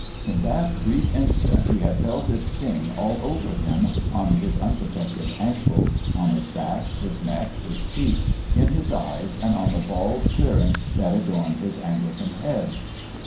In that brief instant he had felt its sting all over him, on his unprotected ankles, on his back, his neck, his cheeks, in his eyes, and on the bald clearing that adorned his Anglican head.